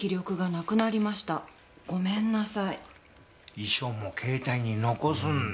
遺書も携帯に残すんだ。